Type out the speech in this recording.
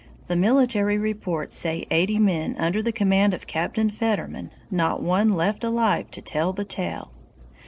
[The military reports say eighty men, under the command of Captain Fetterman not one left alive to tell the tale!